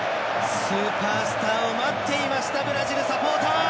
スーパースターを待っていましたブラジルサポーター！